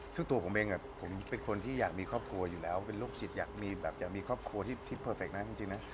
ซึ่งตัวผมเองผมเป็นคนที่อยากมีครอบครัวอยู่แล้วเป็นโรคจิตอยากมีแบบอยากมีครอบครัวที่เพอร์เฟคนะจริงนะ